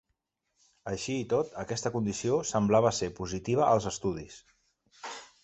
Així i tot, aquesta condició semblava ser positiva als estudis.